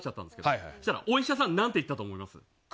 そうしたら、お医者さんは何て言ったと思います？